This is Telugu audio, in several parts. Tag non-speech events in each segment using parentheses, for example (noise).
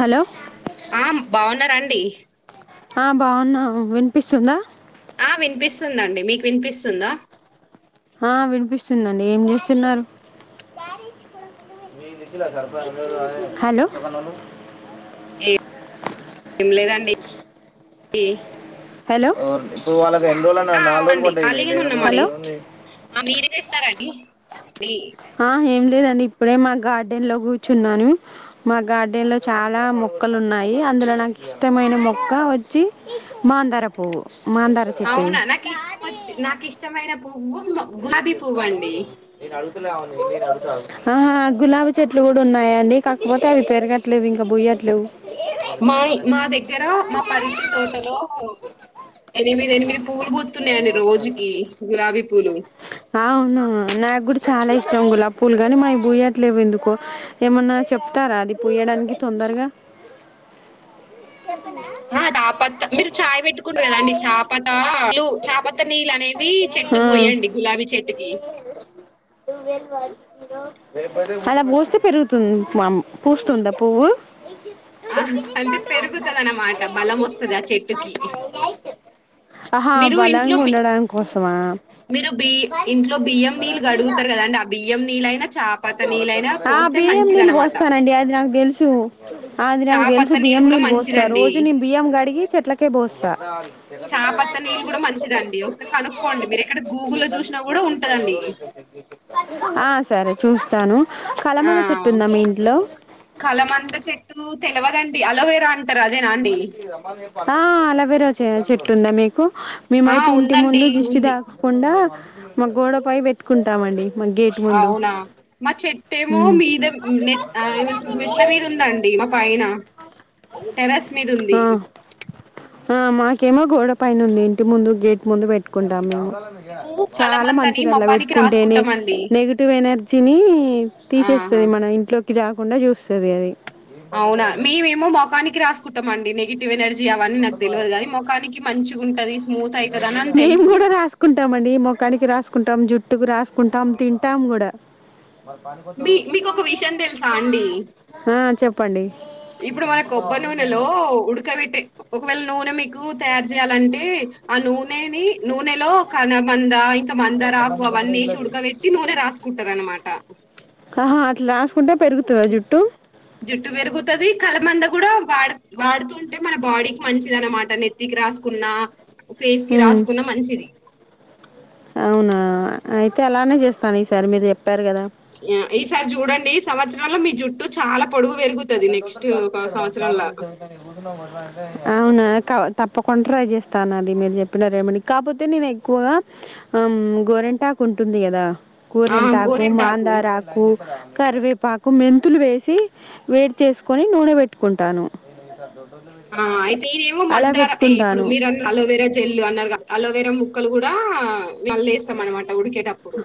హలో డి ఆ బావున్నా వినిపిస్తుందా ఆ వినిపిస్తుందండి మీకు వినిపిస్తుందా ఆ వినిపిస్తుందండి ఏం చేస్తున్నారు హలో ఏ ఏం లేదండి ఈ హలో హలో అవునండి ఖాళీగానే స్తార అండి హ ఏం లేదండి ఇప్పుడే మా గార్డెన్ లో కూర్చున్నాను మా గార్డెన్ లో చాలా మొక్కలు ఉన్నాయి ఆ అందులో నాకు ఇష్టమైన మొక్క వచ్చి మాందార పువ్వు మాందార చెట్టువి అవునా నాకు ఇష్టం వచ్చి నాకు ఇష్టమైన పువ్వు మ- ఏ గులాబీ పువ్వు చెత అండి ఏ (unintelligible) ఆహా గులాబీ చెట్లు కూడా ఉన్నాయండీ కాకపోతే అవి పెరగట్లేవు ఇంకా బూయట్లేవు మా మా దగ్గర మా పరటి తోటలో ఎనిమిది ఎనిమిది పూలు బూత్తున్నాయండీ రోజుకి గులాబీ పూలు ఆవును నాకు కూడా చాలా ఇష్ ష్టం గులాబీ పూలు కాని మావి పూయట్లేవు ఎందుకో ఏమన్నా చెప్తారా అది పూయడానికి తొందరగా ఆ చాపత్త మీరు చాయ్ పెట్టుకుంటున్నారు కదాండి చాపత లు చాపత నీళ్ళు అనేవి ఆ చెట్టుకు పోయండి గులాబీ చెట్టుకి అలా పోస్తే పెరుగుతుం మా పూస్తుందా పువ్వు ఆ! అంటే పెరుగుతది అన్నమాట బలం వస్తది ఆ చెట్టుకి ఆహా మీరు ఇంట్లో బలంగా బి ఉండడం కోసమా మీరు బీ ఇంట్లో బియ్యం నీళ్ళు గడుగుతరు కదా అండి ఆ బియ్యం నీళ్ళు అయినా చాప ఆ బియ్యం నీళ్ళు పోస్తానండి అది నాకు తెలుసు అది నాకు చాపత్త తెలుసు బియ్యం గూడా నీళ్ళు పోస్తారు మంచిదండి. రోజు నీను బియ్యం గడిగి చెట్లకే పోస్తా చాపత్త నీళ్ళు గూడా మంచిదండి. ఒకసారి కనుక్కోండి. మీరెక్కడ క్ గూగుల్‌లో జూషినా టెకనిక్ గూడా బట్ సా ఉంటదండి. ఎవర (unintelligible) ఆ సరే చూస్తాను ఆ కలమంద చెట్టు ఉందా మీ ఇంట్లో కలమంద చెట్టు తెలవదండి అలోవేర టరు అదేనా అండి ఆ అలోవెరా చె-చెట్టు ఉందా మీకు ఆ! మేమైతే ఇంటి ముందు ఉందండి. జిష్టి ఉంది. దాకకుండా మా గోడపై పెట్టుకుంటామండి మా గేట్ ముందు అవునా మ చెట్ ఏమో ఉమ్ మీద మెట్ ఏమంటరూ మెట్ల మీద ఉందండి మా పైన టెరస్ మీద ఉంది ఆ ఆ మాకేమో గోడ పైన ఉంది ఇంటి ముందు గేట్ ముందు పెట్టుకుంటాం మేము మేము చాలా కలబందని మంచిదల్ల మొఖానికి పెట్టుకుంటేనే రాసుకుంటామండి. నెగిటివ్ ఎనర్జీని తీసే ఆహా స్తది మన ఇంట్లోకి రాకుండా చూస్తది అది అవునా మేమేమో మొకానికి రాసుకుంటాంమండి నెగిటివ్ ఎనర్జీ అవన్నీ నాకు తెలివదు కానీ మఖానికి మంచిగా ఉంటది స్మూత్ అయితది అనని తెలుసు మొఖానికి రాసుకుంటాం జుట్టుకు రాసుకుంటాం తింటాం కూడా మీ మీకు ఒక విషయం తెలుసా అండి ఆ చెప్పండి ఇప్పుడు మన కొబ్బరీ నూనెలో ఉడకబెట్టి ఒకవేళ నూనె మిగ్ తయారు చేయాలంటే ఆ నూనెని నూనెలో కల మంద మందార ఆకు అవన్నీ వేసి ఉడకబెట్టి నూనె రాసుకుంటారు అన్నమాట ఆహా అట్లా రాసుకుంటే పెరుగుతుందా జుట్టు జుట్టు పెరుగుతుది కలమంద కూడా వాడు వాడుతుంటే మన బాడీకి మంచిది అనమాట నెత్తికి రాసుకున్నా ఫేస్ కి ఉమ్, రాసుకున్న మంచిది అవునా అయితే అలానే చేస్తాను ఈసారి మీరు చెప్పారు కదా ఆ ఈసారి చూడండి ఈ సంవత్సరంలో మీ జుట్టు చాలా పొడుగు అ పెరుగుతది నెక్స్ట్ ఒక సంవత్సరంలా క అవు తప్పకుండా ట్రై చేస్తాను అది మీరు చెప్పిన రేమ కాకపోతే నేను ఎక్కువగా గోరింటాకు ఉంటుంది కదా గోరింటాకు మాందారాకు కరివేపాకు మెంతులు వేసి వేడి చేసుకుొని నూనె పెట్టుకుంటాను ఆ అయితే ఇదేమో అలా మందార ఇప్పుడు పెట్టుకుంటాను మీరు అలోవేరా జల్లు అన్నారు కదా అ వేరే ముక్కలు కూడా మళ్ళేస్తాం అనమాట ఉడికేటప్పుడు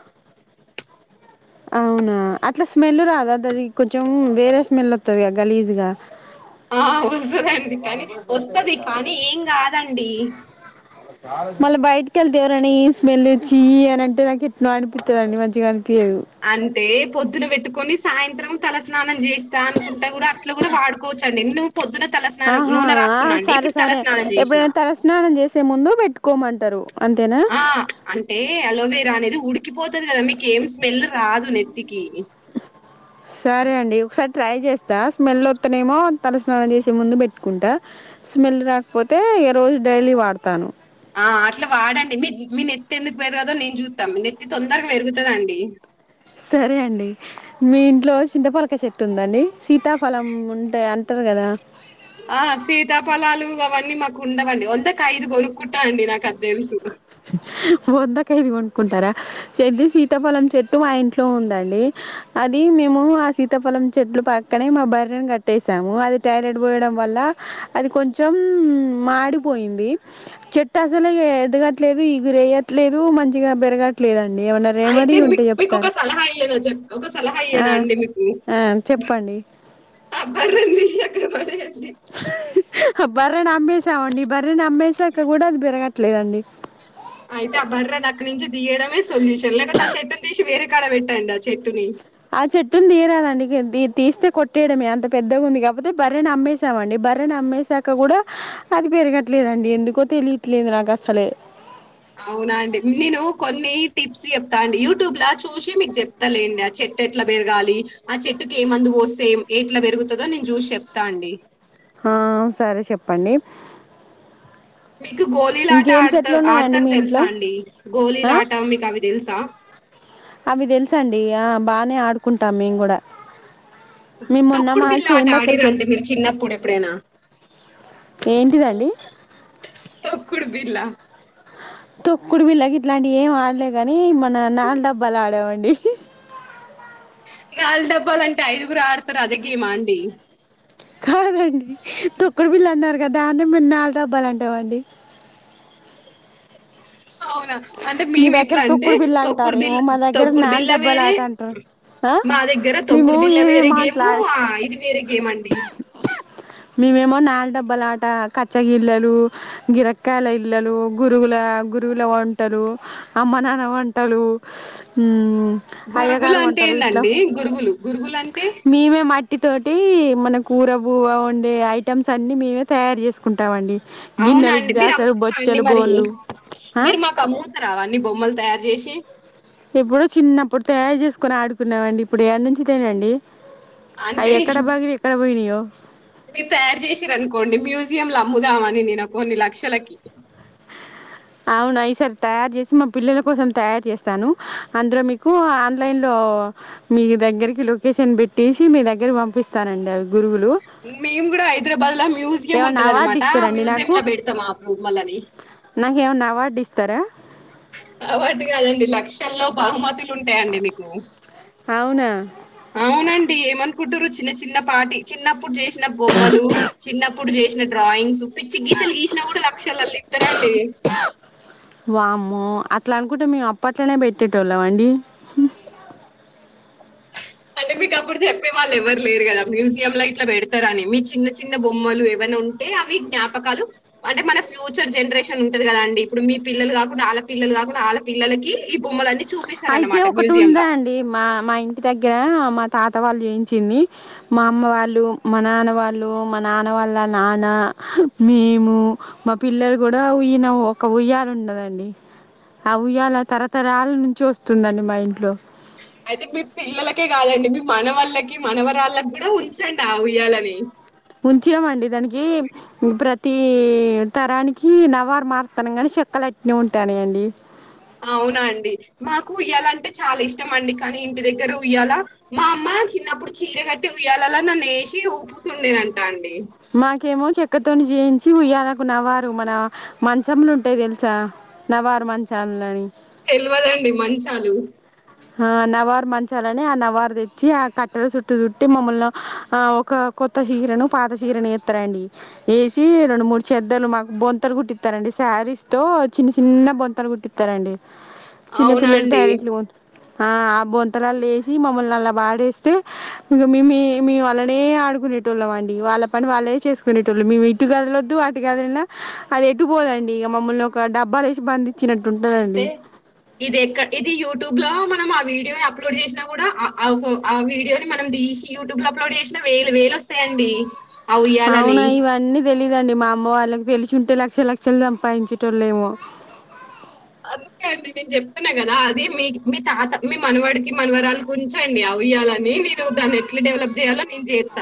అవునా అట్లా స్మెల్ రాద అది కొంచెం వేరే స్మెల్ వస్తుది క గలీజ్గా ఆ వస్తుదండి కానీ వస్తుది కానీ ఏం కాదండి మళ్ళీ బయటకిళ్తే ఎవరని స్మెల్చ్చి అంటే నాకు ఎట్ అనిపిస్తుందిండి మంచిగా అనిపించేది అంటే పొద్దున పెట్టుకొని సాయంత్రం తలస్నానం చేస్తా అనుకుంటా కూడా అట్ కూడా వాడుకోవచ్చుండి ఆహా ఆ సరే సరే తలస్నానం చేసిన ఎప్పుడైనా తలస్నానం చేసే ముందు పెట్టుకోమంటారు అంతేనా ఆ అంటే అలోవేరా అనేది ఉడికిపోతది కదా మీక ఏం స్మెల్ రాదు న క సరే అండి ఒకసారి ట్రై చేస్తా స్మెల్ వస్తనేమో తలస్నానం చేసే ముందు పెట్టుకుంటా స్మెల్ రాకపోతే ఏ రోజు డైలీ వాడతాను ఆ అట్లా వాడండి మీ మీ నెత్తి ఎందుకు పెరగదో నేను చూస్తాం మీ నెత్తి తొందరగా పెరుగుతుందండి సరే అండి మీ ఇంట్లో చింతపలక చెట్టు ఉందండి సీతాఫలం ఉంటే అంత అంటారు కదా ఆ సీతా ఫలాలుగా వ మాకు ఉండవండి వందక ఐదు కొనుక్కుంటా అండి నాకు అది తెలుసు వద్దకైది కొంకుంటారా చెది సీతాపలం చెట్టు మా ఇంట్లో ఉందండి అది మేము ఆ సీతాఫలం చెట్లు పక్కనే మా బర్రని కట్టేసాము అది టాయిలెట్ పోయడం వల్ల వ అది కొంచెం మాడిపోయింది చెట్టు అసలు ఎ దు ఇదిరేయట్లేదు మంచిగా పెరగట్లేదుండి ఏమన్నా రెమెడీ అయితే ఉంటే మీకు మీకు ఒక చెప్తారా సలహా అయ్యనా ఒక సలహా ఆ అయ్యనా అండి మీకు ఆ చెప్పండి ఆ బర నిషక్కడ బర నా అమ్సా ఉండి బర నా అమ్సా క్క కూడా అది పెరగట్లేదండి అయితే ఆ బర్రా ని అక్కాడ నుంచి తీయమే సొల్యూషన్ లేక చేైట్ను తీసిరే కడ వె పెట్టాంద చెట్టుని ఆ చెట్టుని తీయరాదండి తీస్తే కొట్టేయడమే అంత పెద్దగా ఉంది కాకపోతే బర్రని అమ్మేసామండి భర్ర న అమ్మాయిసాక కూడా అది పెరగట్లేదండి ఎందుకో తెలియట్లేదు నాకు అసలే అవునా అండి నేను కొన్ని టిప్స్ చెప్తాండి యూట్యూబ్ లా చూసి మీకు చెప్తాలేండి ఆ చెట్టు ఎట్లా పెరగాలి ఆ చెట్టుకి ఏమంది పో ఎట్లా పెరుగుతుందో నేను చూసి చెప్తా అండి ఆ సరే చెప్పండి మీకు గోలీలా ఆట ఇంకేం ఆడత చెట్లు ఉన్నాయండి ఆడతారు మీ తెలుసా ఇంట్లో అండి గోలీలా ఆ ఆట మీకు అవి తెలుసా అవి తెలుస అండి ఆ బాగానే ఆడుకుంటాం మేము కూడా మేము మో తొక్కుడు న్నమా బిళ్ళ ఆట చేను దగ్గరకి ఆడిరా వెళ్ అంటే మీరు చిన్నప్పుడు ఎప్పుడైనా ఏంటిదండి తొక్కుడుబిలా తొక్కుడు బిల్లకి ఇట్లాంటివి ఏం ఆడలే కాని మన నాల డబ్బాలు ఆడేవండి కాళ డబ్బాలంటే ఐదుగురు ఆడతారు అదే గేమ్ ఆ అండి కాద్ అండి తొక్కుడు బిళ్ల అన్నారు గదానే మేము నాలుగు డబ్బాలంటామండి అవునా అంటే మీ మేమి దగ్గర ఇట్లా అంటే తొక్కుడు బిళ్ళ తొక్కుడు అంటారేమో బిళ్ల మా దగ్గర తొక్కుడు నాల బిళ్ల డబ్బాల వేరే ఆట అంటారు ఆ మా దగ్గర మేము తొక్కుడు బిళ్ల ఏమి వేరే గేము మాట్లాడ ఇది వేరే గేమ్ అండి మేమేమో నాల డబ్బాలా ఆట కచ్చగిళ్ళలు గిరక్కయల ఇల్లలు గురుగుల గురువుల వంటలు అమ్మ నాన్న వంటలు హ్మ్ అయ్య గురుగులు గారు అంటే వంటరు ఇట్లా ఏందండి గురుగులు గురుగులు అంటే మేమే మై ఇటి తోటి మన కూర బువ వండే ఐటెమ్స్ అన్ని మేమే తయారు చేసుకుంటామండి అవునా గిన్నెలు అండి మీరు గ్లాసులు అమ్ముతుర అండి బొచ్చలు మరి బోళ్ళు మీరు మాకు అమ్ము తరా అవీ అన్ని బొమ్మలు తయారు చేసి ఎప్పుడో చిన్నప్పుడు తయారు చేసుకొని ఆడుకున్నామండి ఇప్పుడు యాడ్ నుంచి తనండి అ అంటే ఎక్కడ బాగి ఎక్కడ పోయినాయ్యో మీరు తయారు చేసిరు అనుకోండి మ్యూజియంల అమ్ముదామని నేను కొన్ని లక్షలకి అవునా ఈ సారి తయారు చేసి మా పిల్లల కోసం తయారు చేస్తాను అందులో మీకు ఆన్లైన్ లో ఓ మీ దగ్గరికి లొకేషన్ పెట్టేసి మీ దగ్గరకి పంపిస్తానండి అవి గురుగులు మేం కూడా హైదరాబాద్ లా మ్యూజ్ యం ఏమన్నా ఉంటది అవార్డు అనమాట ఇస్తారండి మ్యూజియం నాకు లో పెడతాం ఆ బొమ్మల్ని నాకు ఏమన్నా అవార్డు ఇస్తారా తెలో బహుమతులు ఉంటాయండి మీకు అవునా అవునండి ఏమనుకుంటారు చిన్న చిన్న పాటి చిన్నప్పుడు చేసిన బొమ్మలు చిన్నప్పు అప్పుడు చేసిన డ్రాయింగ్స్ పిచ్చి గీతలు గసినా కూడా లక్ష ఇతరం వామ్మో అట్లా అనుకుంటే మేము అప్పట్లోనే పెట్టేటోళ్ళం అండి అంటే మీకు అప్పుడు చెప్పే వాళ్ళు ఎవరు లేరు కదా మ్యూజియం లో ఇట్లా పెడతారని మీ చిన్న చిన్న బొమ్మలు ఏవన్ ఉంటే అవి జ్ఞపకాలు అంటే మన ఫ్యూచర్ జనరేషన్ ఉంటది కదండి ఇప్పుడు మీ పిల్లలు కాకుండా ఆలా పి పిల్లలు కాకుండా ఆల పిల్లలకి ఈ బొమ్మలన్నీ అయితే చూపిస్తారన్నమాట ఒకటి ఉంది మ్యూజియంలా. అండి మా మా ఇంటి దగ్గర మా తాత వాళ్ళు చేయించింది మా అమ్మ వాళ్ళు మా నాన్న వాళ్ళు మా నాన్న వాళ్ళ నాన్న మేము మా పిల్లలు కూడా ఉయన ఒక ఉయ్యాల ఉండదండి అ ఉయ్యాల తరతరాల నుంచి వస్తుందండి మా ఇంట్లో అయితే మీ పిల్లలకే కాదండి మీ మన వళ్ళకి మనవరాళ్ళకి కూడా ఉంచండి ఆ ఉయ్యాలనే ఉంచినమండి దానికి ప్ర తి తరానికి నవార్ మారుతన్న గాని చెక్కలు అట్నే ఉంటన్నాయి అండి అవునా అండి మాకు ఉయ్యాల అంటే చాలా ఇష్టం అండి కానీ ఇంటి దగ్గర ఉయ్యాల మా అమ్మ చిన్నప్పుడు చీర కట్టి ఉయ్యాలలా నన్ను వేసి ఊపుతుండేనంటా అండి మాకేమో చెక్కతోని జెయించి ఉయ్యాలకు నవారు మన మంచములు ఉంటాయి తెలుసా నవారు మంచాలని తెలివదండి మంచాలు ఆ నవార్ మంచాలని ఆ నవార్ తెచ్చి ఆ కట్టెల చుట్టు చుట్టి మమ్మల్ని ఆ ఒక కొత్త చిరను పాత చిరను ఎతరండి ఎసి రెండు మూడు చెద్దలు మాకు బొంతలు కుట్టిస్తారండి శారీస్ తో చిన్న చిన్న బొంతాలు కుట్టిస్తారండి చిన్న అవునా పిల్లలు అండి. టాలెట్లు పో ఆ ఆ బొంతలలో ఎసి మమ్మల్ని అలా పాడేస్తే ఇంగ మీ మీ మేము అలానే ఆడుకునే టోలం అండి వాళ్ళ పని వాళ్ళే చేసుకునే టోలు మేము ఇటు కదలొద్దు అటు కదిలేనా అది ఎటు పో (unintelligible) ఇగ మమ్మల్ని ఒక డబ్బాలో వేసి బంది అయితే ఇది ఎక్క ఇది యూట్యూబ్ లో మ మొత్తం ఆ వీడియోని అప్లోడ్ చేసినా కూడా ఆ ఆ ఒక వీడియోని మనం తీసి యూట్యూబ్ లో అప్లోడ్ చేసిన వేలు వేలు సేయండి అవునా ఇవన్నీ తెలీదు లేదండి మా అమ్మ వాళ్ళకి తెలిసుంటే లక్ష లక్షలు సంపాదించేటోలేేమో అందుకే అండి నేను చెప్తున్నా కదా అది మీ మీ తాత మీ మనవాడికి మనవరాలికి ఉంచండి ఉయ్యాలని నేను దాన్ని ఎట్లా డెవలప్ చేయాలో నేను జేత్త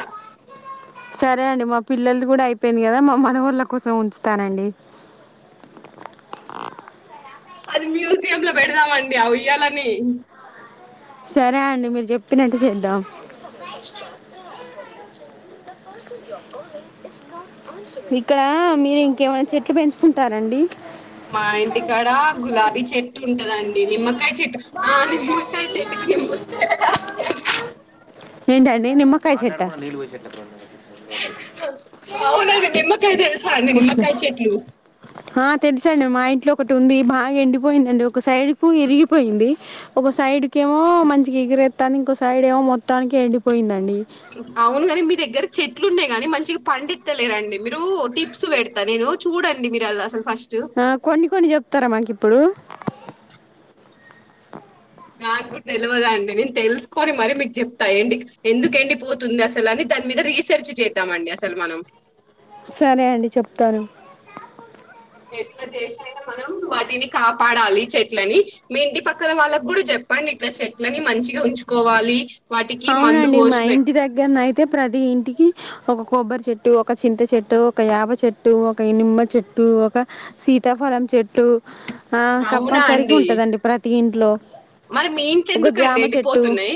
సరే అండి మా పిల్లలది కూడా అయిపోయింది కదా మా మనవాళ్ళ కోసం ఉంచుతానండి అది మ్యూజియం ల పెడదామండి ఆ ఉయ్యాలని సరే అండి మీరు చెప్పినట్టు చేద్దాం ఇక్కడ మీరు ఇంకేమైనా చెట్లు పెంచుకుంటారండి మా ఇంటికాడ గులాబీ చెట్టు ఉంటదండి నిమ్మకాయ చెట్టు ఆ నిమ్మకాయ చెట్టుకి నిమ్మకాయలు కాస్తాయండి ఏంటండి నిమ్మకాయ చెట్ట అవునండి నిమ్మ కాయ తెలుసా అండి నిమ్మకాయ చెట్లు ఆ తెలుసండి మా ఇంట్లో ఒకటి ఉంది బాగా ఎండిపోయింది అండి ఒక సైడ్ కు ఇరిగిపోయింది ఒక సైడ్ కు ఏమో మంచి ఇగురు రెత్త్తంధి ఇకో సైడ్ ఏమో మొత్తానికి ఎండిపోయింది అండి అవునుగాని మీ దగ్గర చెట్లు ఉన్నాయి కాని మంచిగా పండిత్తలేరండి మీరు టిప్స్ పెడతాను నేను చూడండి మీరు అది అసలు ఫస్ట్ ఆ కొన్ని కొన్ని చెప్తారా మాకు ఇప్పుడు నాకు కూడా తెలవదు అండి నేను తెలుసుకొని మరీ మీకు చెప్తా ఎండి ఎందుకు ఎండి పోతుంది అసలని దాని మీద రీసెర్చ్ చేద్దామండి అసలు మనం సరే అండి చెప్తారు ఎట్లా చేసయిన మనం వాటిని కాపాడాలి చెట్లని మీ ఇంటి పక్కన వాళ్ళకి కూడా చెప్పండి ఇట్లా చెట్లని మంచిగా ఉంచుకోవాలి వాటికి మందు అవునండి మా పోసి పెట్ ఇంటి దగ్గరనయితే ప్రతి ఇంటికి ఒక కొబ్బరి చెట్టు ఒక చింత చెట్టు ఒక యాప చెట్టు ఒక నిమ్మ చెట్టు ఒక సి సీతాఫలం చెట్టు ఆ అవునా కంపల్సరీగా అండి ఉంటదండి ప్రతి ఇంట్లో మరి మీ ఇంట్ల ఎందుకండి ఎండిపోతున్నాయి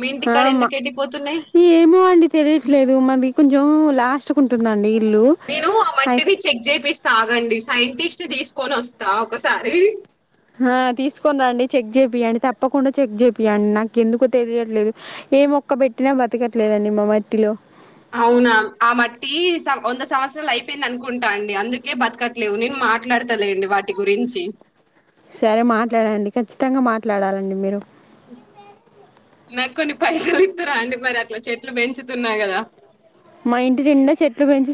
మీ హా ఇంటికాడ మా ఎందుకు ఎండిపోతున్నాయి ఏమో అండి తెలియట్లేదు మరీ దిక్కు కొంచెం లాస్ట్ కు ఉంటుందండి ఇల్లు నేను ఆ అయి మట్టిని చెక్ చేపిస్తా ఆగండి సైంటిస్ట్ తీసుకొని వస్తా ఒకసారి ఆ తీసుకొని రండి చెక్ చేపియండి తప్పకుండా చెక్ చేపియండి నాకు ఎందుకో తెలియట్లేదు ఏ మొక్క పెట్టినా బ్రతకట్లేదండి మా మట్టిలో అవునా ఆ మట్టి సవ్ వంద సంవత్సరాలు అయిపోయింది అనుకుంటా అండి అందుకే బతకట్లేవు నేను మా మాట్లాడతలేండి వాటి గురించి సరే మాట్లాడండి ఖచ్చితంగా మాట్లాడాలండి మీరు నాకు కొన్ని పైసాలు ఇత్తర అండి మరి అట్లా చెట్లు పెంచుతున్నా కదా మా ఇంటి నిండా చెట్లు పెంచి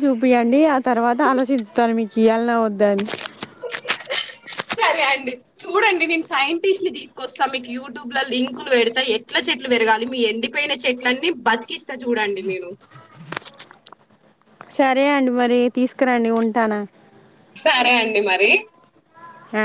ఇయ్యాల వోద్ సరే అండి మీకు సైంటిస్ట్ ని తీసుకొస్తా మీకు యూట్యూబ్ లో లింకులు పెడతా ఎట్ల చెట్లు పెరగాలి మీ ఎండిపోయిన చెట్ ట్లన్నీ బతికిస్తా చూడండి మీరు సరే అండి మరి తీసుకురండి ఉంటానా సరే అండి మరి ఆ